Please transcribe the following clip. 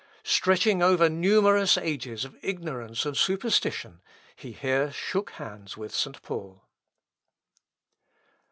Stretching over numerous ages of ignorance and superstition, he here shook hands with St. Paul.